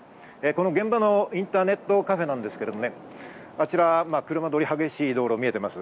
この現場のインターネットカフェなんですけれどもね、あちら車通り激しい道路が見えています。